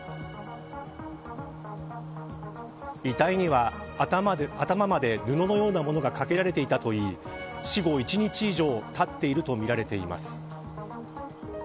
遺体には、頭まで布のようなものがかけられていたといい死後１日以上たっているとみられています。